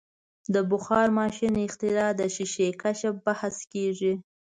د بخار ماشین اختراع د شیشې کشف بحث کیږي.